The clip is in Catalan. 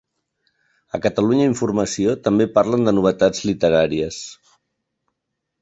A Catalunya Informació també parlen de novetats literàries.